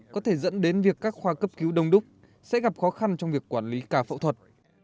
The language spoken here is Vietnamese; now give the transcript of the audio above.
có thể dẫn đến việc các khoa cấp cứu đông đúc sẽ gặp khó khăn trong việc quản lý cả phẫu thuật